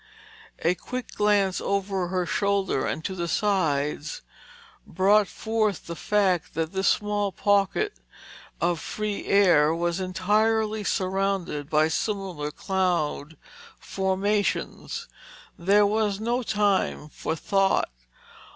A quick glance over her shoulder and to the sides, brought forth the fact that this small pocket of free air was entirely surrounded by similar cloud formations. There was no time for thought.